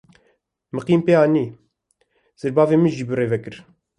Min qîm pê anî; zirbavê min jî berê kir.